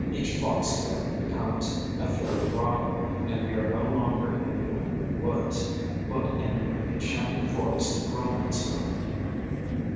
Each fox lair becomes a fairy grotto, and we are no longer in New England woods, but in an enchanted forest of Romance Land.